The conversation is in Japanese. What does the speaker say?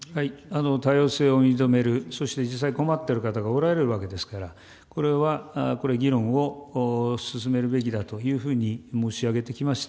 多様性を認める、そして実際困っている方がおられるわけですから、これはこれ、議論を進めるべきだというふうに申し上げてきました。